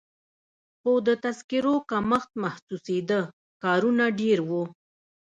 خو د تذکیرو کمښت محسوسېده، کارونه ډېر وو.